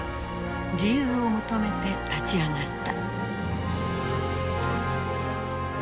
自由を求めて立ち上がった。